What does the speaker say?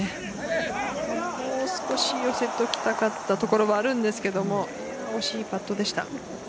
もう少し寄せときたかったところもあるんですけど惜しいパットでした。